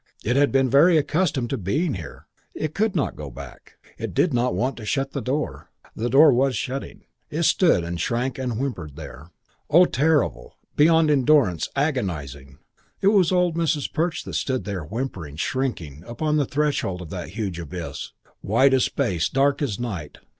It had been very accustomed to being here. It could not go back. It did not want to shut the door. The door was shutting. It stood and shrank and whimpered there. Oh, terrible! Beyond endurance, agonising. It was old Mrs. Perch that stood there whimpering, shrinking, upon the threshold of that huge abyss, wide as space, dark as night.